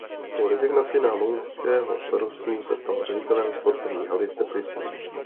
Po rezignaci na lounského starostu se stal ředitelem Sportovní haly v Teplicích.